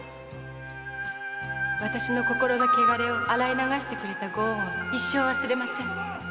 私の心の汚れを洗い流してくれたご恩は一生忘れません」